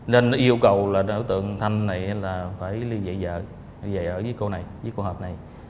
nên yêu cầu đối tượng thanh này phải liên dị vợ với cô này với cô hợp này